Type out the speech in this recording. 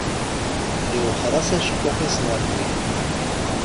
Iwexxer-as acekkuḥ ɣer rrif.